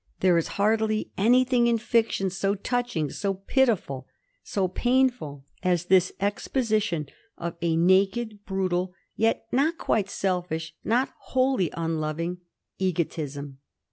There is hardly any thing in fiction so touching, so pitiful, so painful, as this ex position of a naked, brutal, yet not quite selfish, not wholly unloving, egotism.